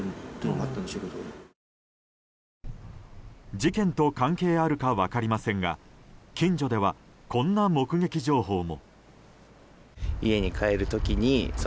事件と関係あるか分かりませんが近所ではこんな目撃情報も。